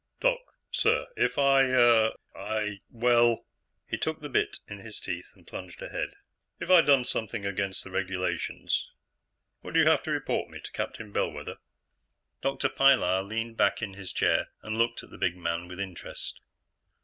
"Doc, sir, if I ... I uh ... well " He took the bit in his teeth and plunged ahead. "If I done something against the regulations, would you have to report me to Captain Bellwether?" Dr. Pilar leaned back in his chair and looked at the big man with interest.